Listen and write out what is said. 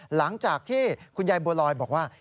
หลังจากที่คุณยายบัวลอยบอกว่า